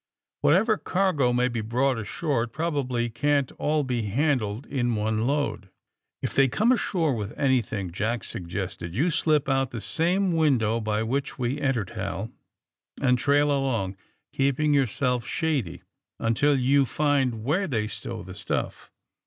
^^ "Whatever cargo may be brought ashore, it probably can't all be handled in one load.'^ If they come ashore with anything," Jack suggested, ^^jou slip out through the same win AND THE SMUGGLERS 79 dow by which we entered, Hal, and trail along, keeping yourself shady, until you find where they stow the stuff.